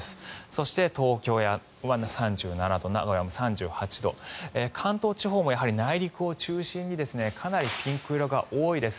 そして、東京は３７度名古屋も３８度関東地方もやはり内陸を中心にかなりピンク色が多いです。